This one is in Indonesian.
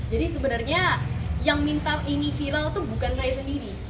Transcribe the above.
jadi sebenarnya yang minta ini viral tuh bukan saya sendiri